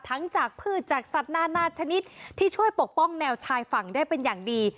จากพืชจากสัตว์นานาชนิดที่ช่วยปกป้องแนวชายฝั่งได้เป็นอย่างดี